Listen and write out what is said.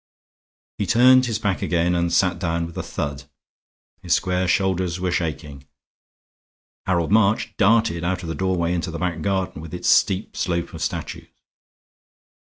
He turned his back again and sat down with a thud; his square shoulders were shaking. Harold March darted out of the doorway into the back garden with its steep slope of statues.